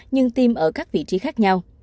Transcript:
nhưng tiêm ở các vị trí khác nhau